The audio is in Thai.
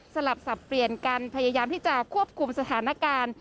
สลับสับเปลี่ยนกันพยายามที่จะควบคุมสถานการณ์